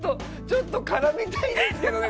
ちょっと絡みたいんですけどね。